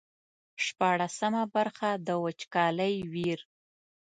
شپاړسمه برخه د وچکالۍ ویر.